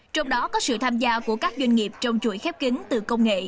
trong đó có sự tham gia của các doanh nghiệp trong chuỗi khép kính từ công nghệ